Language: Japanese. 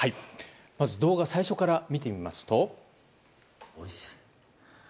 まず、動画を最初から見てみますと。